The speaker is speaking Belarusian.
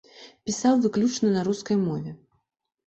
Пісаў выключна на рускай мове.